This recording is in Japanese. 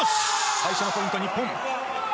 最初のポイント、日本。